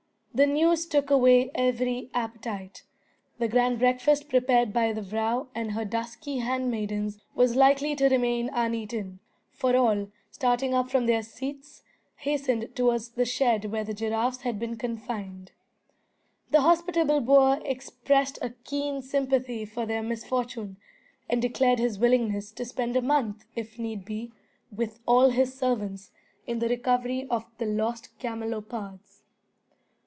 The news took away every appetite. The grand breakfast prepared by the vrow and her dusky handmaidens was likely to remain uneaten; for all, starting up from their seats, hastened towards the shed where the giraffes had been confined. The hospitable boer expressed a keen sympathy for their misfortune, and declared his willingness to spend a month, if need be, with all his servants, in the recovery of the lost camelopards.